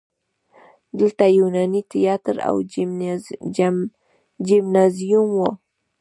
دلته یوناني تیاتر او جیمنازیوم و